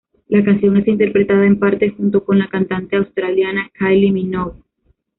La canción es interpretada en parte junto con la cantante australiana Kylie Minogue.